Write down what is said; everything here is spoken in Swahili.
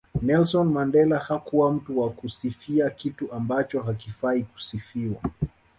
Nelsoni Mandela hakuwa mtu wa kusifia kitu ambacho hakifai kusifiwa